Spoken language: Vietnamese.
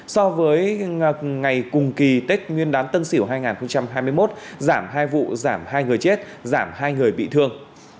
so với ngày cùng kỳ tết nguyên đán tân sỉu hai nghìn hai mươi một giảm hai vụ giảm hai người chết giảm hai người bị thương